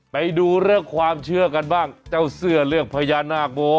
ไปดูเรื่องความเชื่อกันบ้างเจ้าเสื้อเรื่องพญานาคโบ